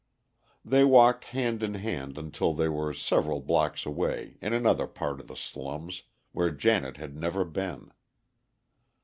They walked hand in hand until they were several blocks away, in another part of the slums, where Janet had never been.